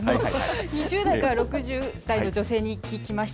２０代から６０代の女性に聞きました。